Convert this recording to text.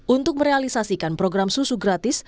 untuk merealisasikan program susu gratis